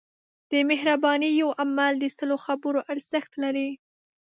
د مهربانۍ یو عمل د سلو خبرو ارزښت لري.